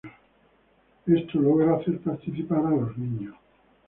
Esto logra hacer participar a los niños.